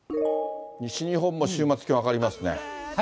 西日本も週末気温上がりますね。